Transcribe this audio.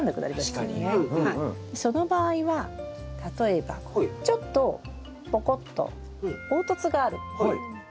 その場合は例えばちょっとポコッと凹凸があるシール